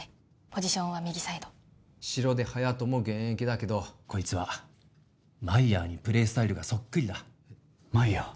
ポジションは右サイド城出隼澄も現役だけどこいつはマイヤーにプレースタイルがそっくりだマイヤー？